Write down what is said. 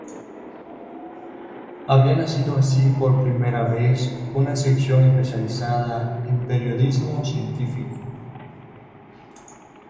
Había nacido así por primera vez una sección especializada en periodismo científico.